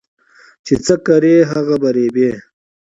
چې څه کرې هغه به ريبې